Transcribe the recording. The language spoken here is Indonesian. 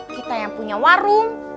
kita yang punya warung